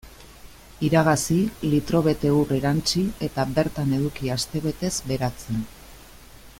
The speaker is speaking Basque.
Iragazi, litro bete ur erantsi eta bertan eduki astebetez beratzen.